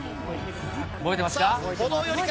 覚えてますか？